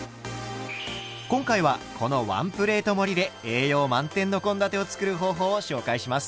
今回はこのワンプレート盛りで栄養満点の献立を作る方法を紹介します。